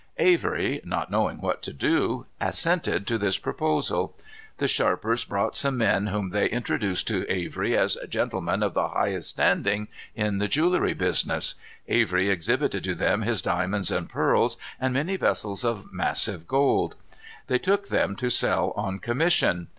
Avery, not knowing what to do, assented to this proposal. The sharpers brought some men whom they introduced to Avery as gentlemen of the highest standing in the jewelry business. Avery exhibited to them his diamonds and pearls, and many vessels of massive gold. They took them to sell on commission.